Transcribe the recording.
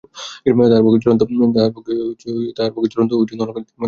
তাহার পক্ষে জ্বলন্ত গন্ধক ও নরকাদির মাত্রাটি কিছু অতিরিক্ত হইয়াছিল।